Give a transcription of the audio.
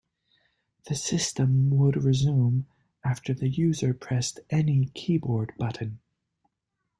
The system would resume after the user pressed any keyboard button.